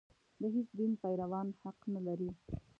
د هېڅ دین پیروان حق نه لري.